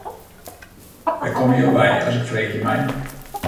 Wêr komme jo wei as ik freegje mei.